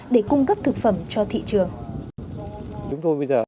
để cung cấp thực phẩm cho thị trường